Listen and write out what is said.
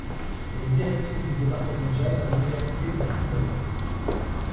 Elle est directrice du département jazz à l’Université de Pittsburgh.